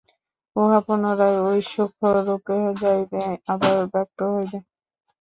উহা পুনরায় ঐ সূক্ষ্মরূপে যাইবে, আবার ব্যক্ত হইবে।